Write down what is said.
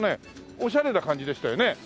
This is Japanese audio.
オシャレな感じでしたよね。